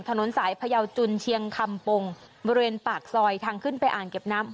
ถนนสายพยาวจุนเชียงคำปงบริเวณปากซอยทางขึ้นไปอ่างเก็บน้ำ